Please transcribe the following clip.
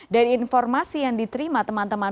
dari informasi yang diterima teman teman